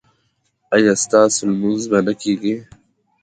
ایا ستاسو لمونځ به نه کیږي؟